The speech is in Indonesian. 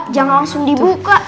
jangan langsung dibuka